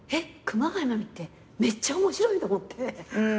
熊谷真実ってめっちゃ面白い！と思って。